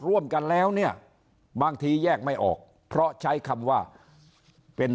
ร่วมกันแล้วเนี่ยบางทีแยกไม่ออกเพราะใช้คำว่าเป็น